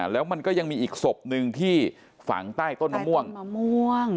แล้วมันก็ยังมีอีกศพหนึ่งที่ฝังใต้ต้นมะม่วงมะม่วง